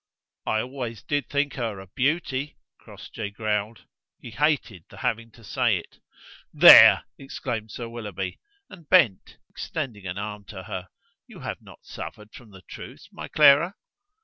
"I always did think her a Beauty," Crossjay growled. He hated the having to say it. "There!" exclaimed Sir Willoughby, and bent, extending an arm to her. "You have not suffered from the truth, my Clara!"